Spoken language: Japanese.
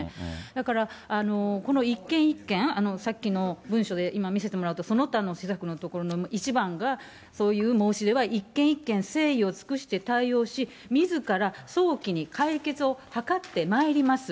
だから、この一件一件、さっきの文書で、今見せてもらうと、その他の施策のところの１番がそういう申し出は、一件一件誠意を尽くして対応し、みずから早期に解決を図ってまいります。